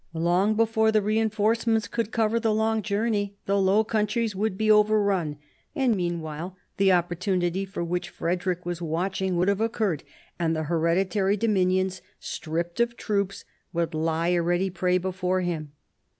Long before the reinforcements could cover the long journey, the Low Countries would be overrun; and meanwhile the opportunity for which Frederick was watching would have occurred, and the hereditary dominions, stripped of troops, would lie a ready prey before him.